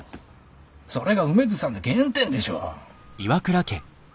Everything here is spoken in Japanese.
それが梅津さんの原点でしょ？